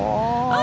あ！